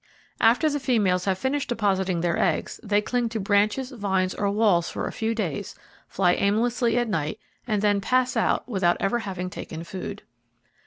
After the females have finished depositing their eggs, they cling to branches, vines or walls a few days, fly aimlessly at night and then pass out without ever having taken food.